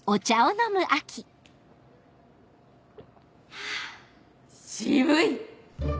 ハァ渋い！